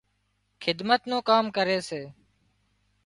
خدمت نُون ڪام ڪري سي